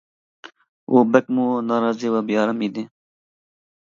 ئۇ بەكمۇ نارازى ۋە بىئارام ئىدى.